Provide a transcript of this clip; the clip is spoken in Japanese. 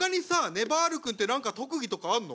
ねばる君って何か特技とかあんの？